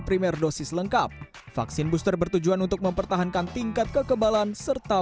primer dosis lengkap vaksin booster bertujuan untuk mempertahankan tingkat kekebalan serta